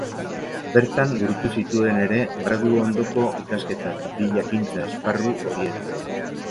Bertan burutu zituen ere gradu-ondoko ikasketak bi jakintza esparru horietan.